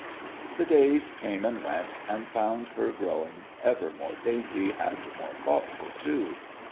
The days came and went, and found her growing ever more dainty, and more thoughtful too.